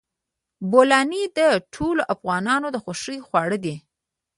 بولاني د ټولو افغانانو د خوښې خواړه دي.